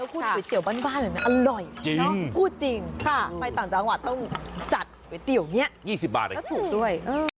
ก็พูดเวตเตี๋ยวบ้านเลยนะอร่อยเนอะพูดจริงค่ะไปต่างจังหวัดต้องจัดเวตเตี๋ยวเนี่ย๒๐บาทเลย